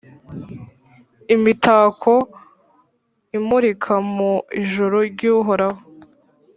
imitako imurika mu ijuru ry’Uhoraho.